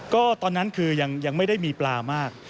ก็ตอนนั้นคือยังไม่ได้มีปลามาก